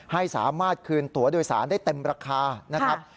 ให้สามารถคืนตัวโดยสารได้เต็มราคานะครับ